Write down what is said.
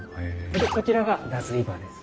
でこちらが脱衣場です。